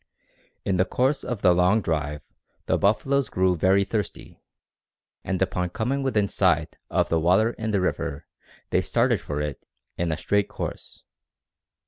In the course of the long drive the buffaloes grew very thirsty, and upon coming within sight of the water in the river they started for it in a straight course.